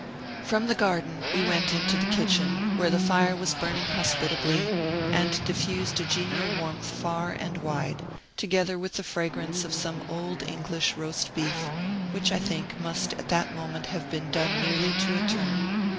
From the garden we went into the kitchen, where the fire was burning hospitably, and diffused a genial warmth far and wide, together with the fragrance of some old English roast beef, which, I think, must at that moment have been done nearly to a turn.